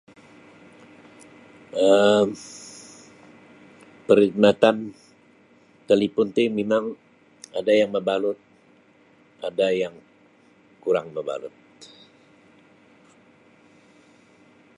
um Perkhidmatan talipon ti mimang ada yang mabalut ada yang kurang mabalut.